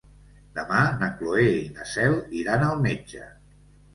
Demà na Cloè i na Cel iran al metge.